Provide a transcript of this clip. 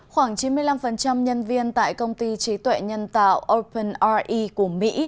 khoảng chín mươi năm nhân viên tại công ty trí tuệ nhân tạo openre của mỹ